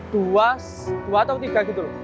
dua atau tiga gitu